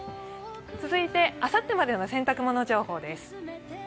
続いて、あさってまでの洗濯物情報です。